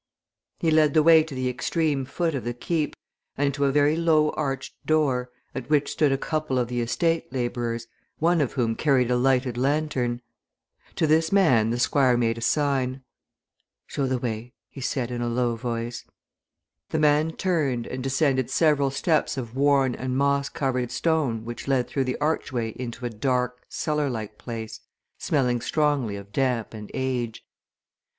He led the way to the extreme foot of the Keep, and to a very low arched door, at which stood a couple of the estate labourers, one of whom carried a lighted lantern. To this man the Squire made a sign. "Show the way," he said, in a low voice. The man turned and descended several steps of worn and moss covered stone which led through the archway into a dark, cellar like place smelling strongly of damp and age.